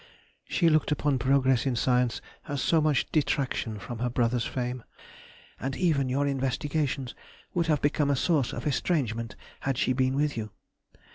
She looked upon progress in science as so much detraction from her brother's fame, and even your investigations would have become a source of estrangement had she been with you.